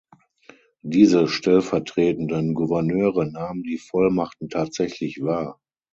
Diese stellvertretenden Gouverneure nahmen die Vollmachten tatsächlich wahr.